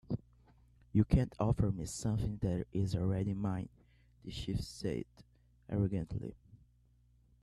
"You can't offer me something that is already mine," the chief said, arrogantly.